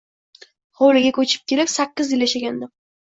Hovliga koʻchib kelib, sakkiz yil yashagandim.